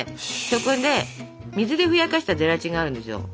そこで水でふやかしたゼラチンがあるんですよ。